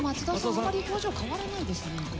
あんまり表情変わらないですね。